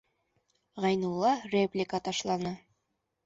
Ғәйнулла реплика ташланы: